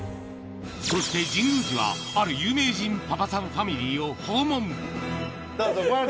そして神宮寺は、ある有名人パパさんファミリーを訪問。